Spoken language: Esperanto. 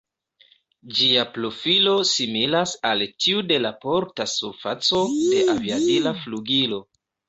Ĝia profilo similas al tiu de la porta surfaco de aviadila flugilo.